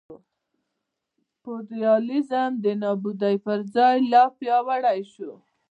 فیوډالېزم د نابودۍ پر ځای لا پیاوړی شو.